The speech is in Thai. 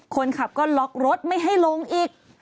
คนขับก็ล็อกรถไม่ให้ลงอีก